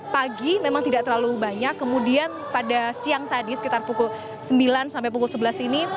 pagi memang tidak terlalu banyak kemudian pada siang tadi sekitar pukul sembilan sampai pukul sebelas ini